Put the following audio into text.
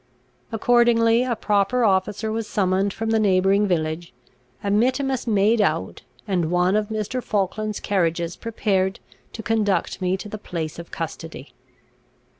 Accordingly a proper officer was summoned from the neighbouring village, a mittimus made out, and one of Mr. Falkland's carriages prepared to conduct me to the place of custody.